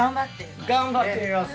「頑張ってみます」